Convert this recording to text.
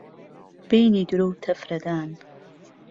بهینی درۆ و تهفره دان